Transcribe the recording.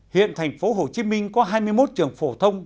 hiện tp hcm có hai mươi một trường phổ thông